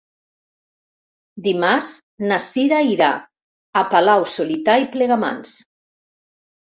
Dimarts na Cira irà a Palau-solità i Plegamans.